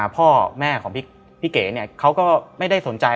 พ่อแม่ของพี่เก๋เขาก็ไม่ได้สนใจ